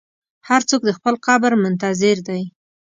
هر څوک د خپل قبر منتظر دی.